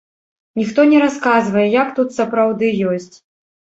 Ніхто не расказвае, як тут сапраўды ёсць.